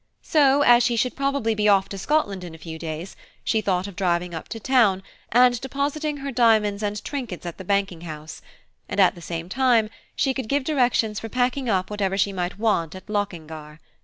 So, as she should probably be off to Scotland in a few days, she thought of driving up to town, and depositing her diamonds and trinkets at the banking house; and at the same time she could give directions for packing up whatever she might want at Lochingar.